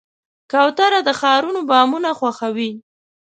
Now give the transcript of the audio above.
کوتره د ښارونو بامونه خوښوي.